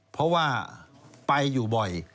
เพราะว่าไปอยู่บ่อย